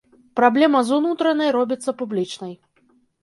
Праблема з унутранай робіцца публічнай.